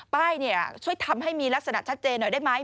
ป้ายช่วยทำให้มีลักษณะชัดเจนหน่อยได้ไหม